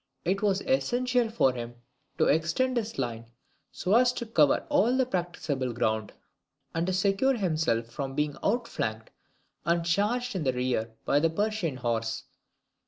It was essential for him to extend his line so as to cover all the practicable ground, and to secure himself from being outflanked and charged in the rear by the Persian horse.